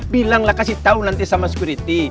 bilanglah kasih tau nanti sama sekuriti